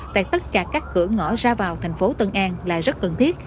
tại tất cả các cửa ngõ ra vào thành phố tân an là rất cần thiết